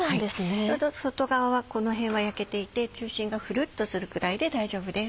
ちょうど外側は焼けていて中心がフルっとするくらいで大丈夫です。